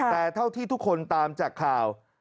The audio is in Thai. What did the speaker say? แต่เท่าที่ทุกคนตามจากข่าว